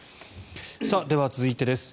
では、続いてです。